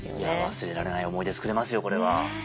忘れられない思い出作れますよ。